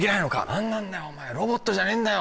「何なんだよお前ロボットじゃねえんだよ」